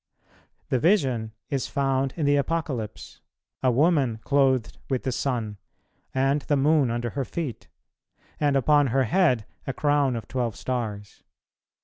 The vision is found in the Apocalypse, a Woman clothed with the sun, and the moon under her feet, and upon her head a crown of twelve stars.